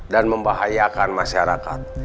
dan membahayakan masyarakat